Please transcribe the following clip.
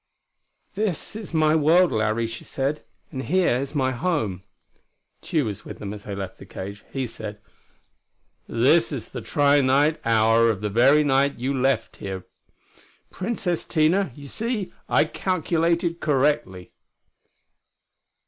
"This is my world, Larry," she said. "And here is my home." Tugh was with them as they left the cage. He said: "This is the tri night hour of the very night you left here. Princess Tina. You see, I calculated correctly."